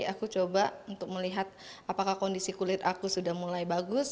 aku coba untuk melihat apakah kondisi kulit aku sudah mulai bagus